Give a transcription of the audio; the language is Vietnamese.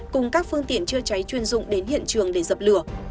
cùng các phương tiện chữa cháy chuyên dụng đến hiện trường để dập lửa